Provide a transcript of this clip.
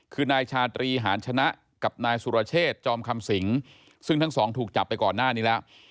คือนายชาตรีหารชนะกับนายสุรเชษจอมคำสิงซึ่งทั้งสองถูกจับไปก่อนหน้านี้แล้ว